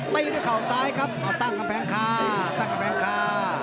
เต้นด้วยเขาซ้ายครับตั้งกำแพงค่า